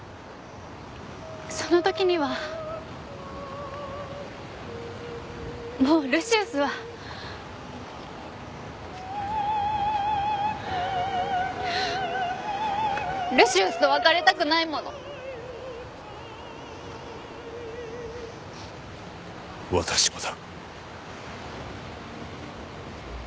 その時にはもうルシウスはルシウスと別れたくないもの私もだ